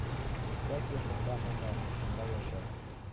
Тәки шунда ҡуна, шунда йәшәй.